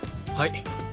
はい。